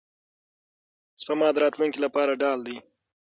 سپما د راتلونکي لپاره ډال دی.